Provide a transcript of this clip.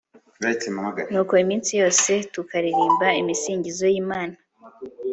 nuko iminsi yose tukaririmba ibisingizo by'imana